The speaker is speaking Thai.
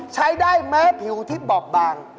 ใช้ได้แม้ผิวทิศบอบบาง